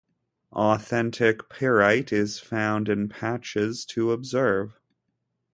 Authentic Pyrite is found in patches to observe.